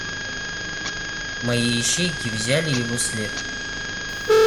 Мои ищейки взяли его след.